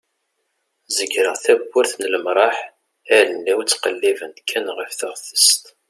zegreɣ tawwurt n lemraḥ allen-iw ttqellibent kan ɣef teɣtest